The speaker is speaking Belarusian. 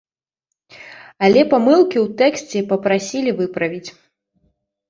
Але памылкі ў тэксце папрасілі выправіць.